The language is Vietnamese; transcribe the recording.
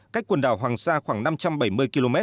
cách quần đảo hoàng sa khoảng năm trăm bảy mươi km